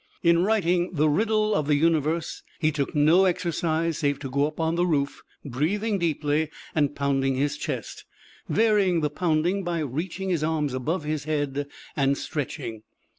In writing "The Riddle of the Universe," he took no exercise save to go up on the roof, breathing deeply and pounding his chest, varying the pounding by reaching his arms above his head and stretching.